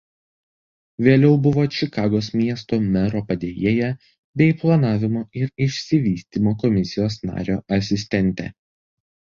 Vėliau buvo Čikagos miesto mero padėjėja bei Planavimo ir išsivystymo komisijos nario asistentė.